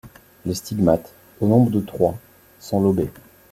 Les stigmates, au nombre de trois, sont lobés.